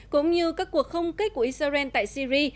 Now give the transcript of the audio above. cũng như các cuộc không kích của israel tại syri